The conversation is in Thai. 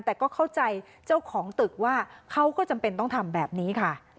แต่ก็เข้าใจเจ้าของตึกว่าเขาก็จำเป็นต้องทำแบบนี้ค่ะ